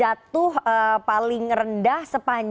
itu adalah hal yang kita harus lakukan